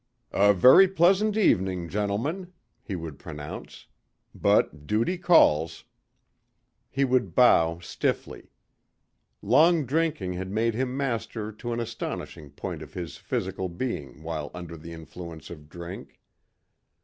"A very pleasant evening, gentlemen," he would pronounce, "but duty calls." He would bow stiffly. Long drinking had made him master to an astonishing point of his physical being while under the influence of drink.